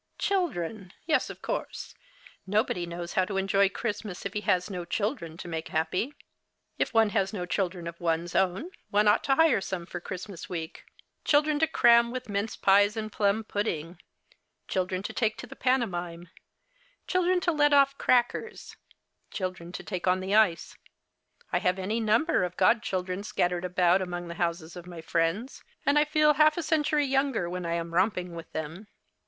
Children, yes, of course ! No body knows how to enjoy Christmas if he has no children to make happy. If one has no children of one's own, one ought to hire some for the Christmas week — children to 28 The Christmas Hirelings. cram with mince pies and plum pudding; children to take to the pantomime ; children to let off crackers ; children to take on the ice. I have any number of god children scattered about among the houses of my friends, and I feel lialf a century younger when I am romping witli them.